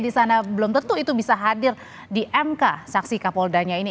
di sana belum tentu itu bisa hadir di mk saksi kapoldanya ini